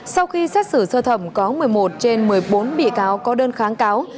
sau khi xét xử sơ thẩm có một mươi một trên một mươi bốn bị cáo có đơn kháng cáo